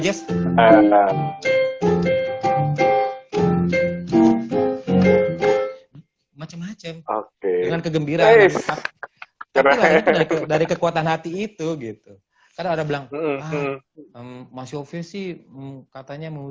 jes maksimum oke dengan kegembiraan dari kekuatan hati itu gitu karena ada bilang masih ofisi katanya